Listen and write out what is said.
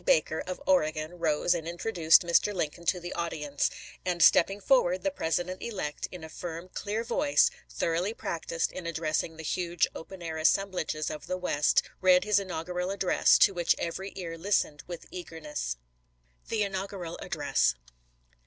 Baker, of Oregon, rose and introduced Mr. Lincoln to the audience ; and stepping forward, the President elect, in a firm, clear voice, thoroughly practiced in addressing the huge open air assemblages of the West, read his inaugural address, to which every ear listened with eagerness. THE INAUGURAL ADDRESS.